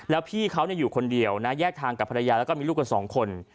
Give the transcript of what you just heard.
แล้วพี่เขาอยู่คนเดียวนะแยกทางกับภรรยาแล้วก็มีลูกกันสองคน